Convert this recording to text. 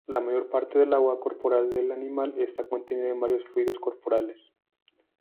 La mayor parte del agua corporal del animal está contenida en varios fluidos corporales.